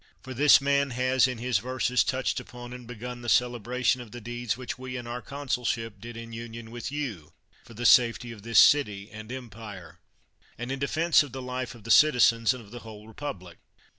For this man has in his verses touched upon and begun the celebration of the deeds which we in our consulship did in union with you, for the safety of this city and empire, H IO 145 THE WORLD'S FAMOUS ORATIONS and in defense of the life of the citizens and of the whole republic.